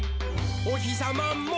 「おひさまも」